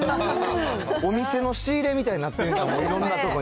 お店の仕入れみたいになってるんだ、いろいろな所に。